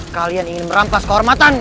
kalian ingin merampas kehormatannya